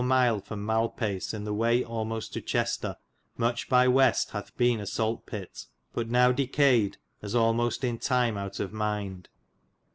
mile from Malpace in the way almost to Chestar muche by weste hathe bene a salt pit, but now decayed, as almoste in tyme owt of mynde.